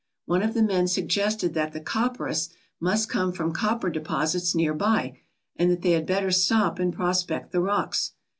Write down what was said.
One of the men suggested that the copperas must come from copper deposits near by, and that they had better stop and prospect the rocks.